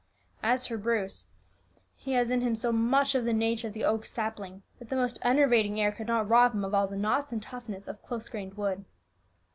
As for Bruce, he has in him so much of the nature of the oak sapling, that the most enervating air could not rob him of all the knots and toughness of close grained wood.